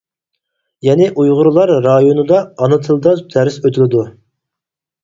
يەنە ئۇيغۇرلار رايوندا ئانا تىلدا دەرس ئۆتۈلىدۇ.